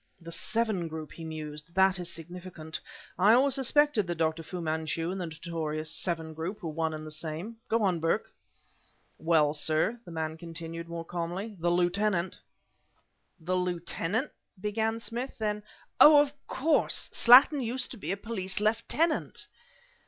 "The Seven Group!" he mused. "That is significant. I always suspected that Dr. Fu Manchu and the notorious Seven Group were one and the same. Go on, Burke." "Well, sir," the man continued, more calmly, "the lieutenant " "The lieutenant!" began Smith; then: "Oh! of course; Slattin used to be a police lieutenant!"